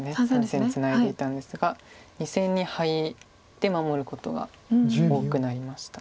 ３線にツナいでいたんですが２線にハイで守ることが多くなりました。